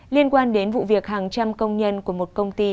liên quan đến vụ việc hàng trăm công nhân của một công ty